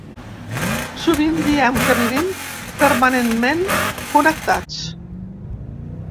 Sovint diem que vivim permanentment connectats.